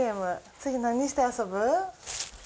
次何して遊ぶ？